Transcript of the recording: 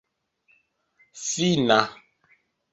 finna